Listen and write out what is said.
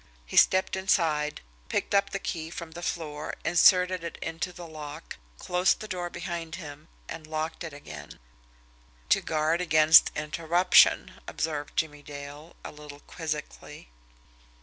He stepped inside, picked up the key from the floor, inserted it in the lock, closed the door behind him, and locked it again. "To guard against interruption," observed Jimmie Dale, a little quizzically.